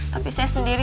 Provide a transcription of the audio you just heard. tapi saya sendiri